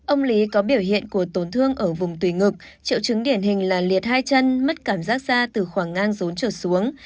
ông l có biểu hiện của tổn thương ở vùng tủy ngực triệu chứng điển hình là liệt hai chân mất cảm giác ra từ khoảng ngang rốn trở xuống